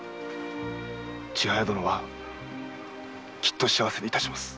千早殿はきっと幸せにいたします。